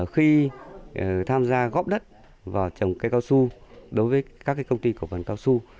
khi tham gia góp đất vào trồng cây cao su đối với các công ty cổ phần cao su